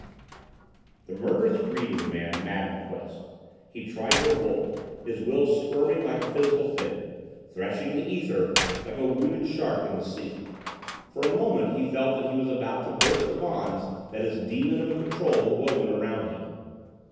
The murderous greed of the man maddened Quest. He tried to revolt, his will squirming like a physical thing, threshing the ether like a wounded shark in the sea. For a moment he felt that he was about to burst the bonds that his demon of a Control had woven around him.